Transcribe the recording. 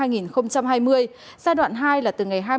giai đoạn hai là từ ngày hai mươi tháng năm